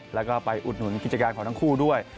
แล้วก็ไปอุดหนุนกิจการของทั้งคู่ด้วย